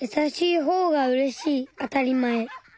あたりまえ。